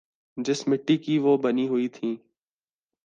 جس مٹی کی وہ بنی ہوئی تھیں۔